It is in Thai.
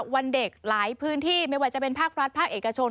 วันเด็กหลายพื้นที่ไม่ว่าจะเป็นภาครัฐภาคเอกชน